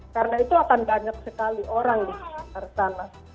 karena itu akan banyak sekali orang di sana